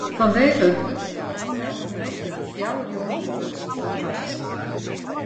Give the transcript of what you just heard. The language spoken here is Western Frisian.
Fanwegen it grutte tal oanmeldingen wurde fjouwer jûnen útlutsen foar de harksitting.